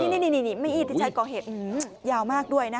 ที่นี่นี่นี่นี่มิอีทที่ชายก่อเหตุยาวมากด้วยนะคะ